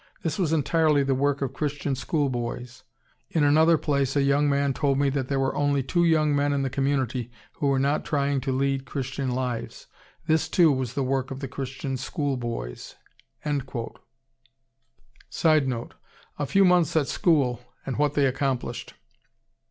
This was entirely the work of Christian school boys. In another place a young man told me that there were only two young men in the community who were not trying to lead Christian lives. This too was the work of the Christian school boys." [Sidenote: A few months at school and what they accomplished.